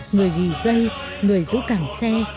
người ghi dây người giữ cảng xe